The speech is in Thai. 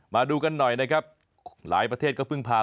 มาดูกันหน่อยนะครับหลายประเทศก็เพิ่งพา